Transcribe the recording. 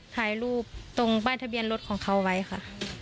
ถ่ายรูปตรงป้ายทะเบียนรถของเขาไว้ค่ะ